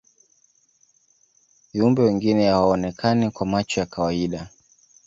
viumbe wengine hawaonekani kwa macho ya kawaida